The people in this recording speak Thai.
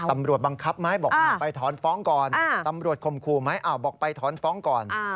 ตำรวจบังคับไหมบอกไปถอนฟ้องก่อนตำรวจคมครูไหมอ้าวบอกไปถอนฟ้องก่อน